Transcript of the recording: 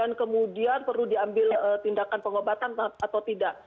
dan kemudian perlu diambil tindakan pengobatan atau tidak